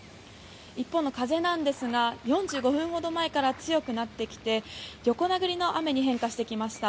一方の風ですが４５分ほど前から強くなってきて横殴りの雨に変化してきました。